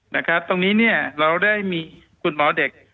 นะครับตรงนี้เนี่ยเราได้มีคุณหมอเด็ก